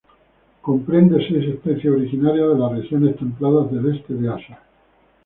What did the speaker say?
Comprende seis especies originarias de las regiones templadas del este de Asia.